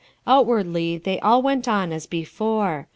Outwardly they all went on as before.